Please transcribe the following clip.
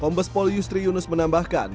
pombos paul yustri yunus menambahkan